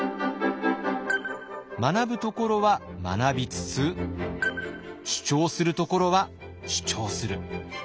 学ぶところは学びつつ主張するところは主張する。